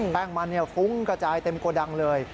แป้งมันฟุ้งกระจายเต็มโกดังเลย